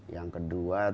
yang kedua tentu